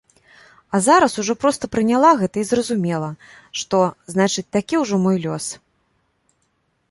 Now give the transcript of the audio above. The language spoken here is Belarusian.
А зараз ужо проста прыняла гэта і зразумела, што, значыць, такі ўжо мой лёс.